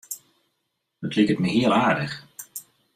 It liket my hiel aardich.